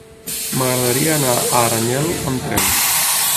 M'agradaria anar a Aranyel amb tren.